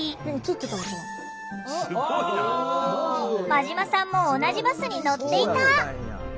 馬島さんも同じバスに乗っていた。